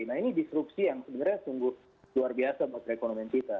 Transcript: nah ini disrupsi yang sebenarnya sungguh luar biasa buat perekonomian kita